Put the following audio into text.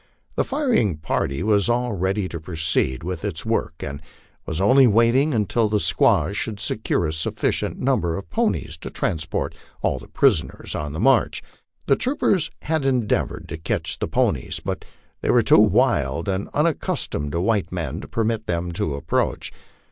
The firing party was all ready to proceed with its work, and was only waiting until the squaws should secure a sufficient number of ponies to transport all the prisoners on the march. The troopers had endeavored to catch the ponies, but they were too wild and unaccus tomed to white men to permit them to approach.